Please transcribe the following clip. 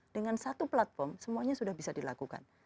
dengan satu platform semuanya sudah bisa dilakukan